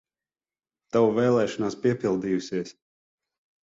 Tava vēlēšanās piepildījusies!